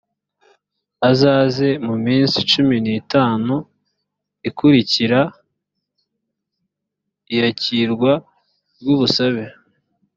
azaze muminsi cumi nitanu ikurikira iyakirwa ry ‘ubusabe